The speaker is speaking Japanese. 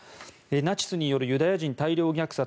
ナチスによるユダヤ人大量虐殺